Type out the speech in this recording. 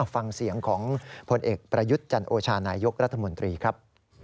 ฟังเสียงของผลเอกประยุทธ์จันโอชานายกรัฐมนตรีครับ